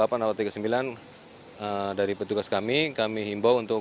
tepat dengan masa ventilation itu